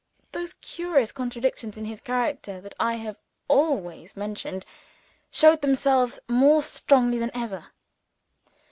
Those curious contradictions in his character which I have already mentioned, showed themselves more strangely than ever.